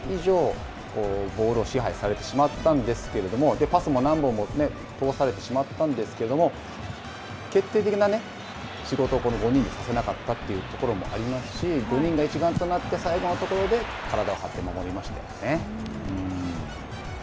この５人をよく見ていてほしいんですけれども、この試合はですね、日本はスペインに８割以上、ボールを支配されてしまったんですけれども、パスも何本も通されてしまったんですけれども、決定的な仕事をこの５人でさせなかったというところもありますし、５人が一丸となって、最後のところで体を張って守りましたよね。